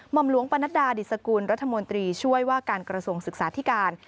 ่อมหลวงปนัดดาดิสกุลรัฐมนตรีช่วยว่าการกระทรวงศึกษาธิการ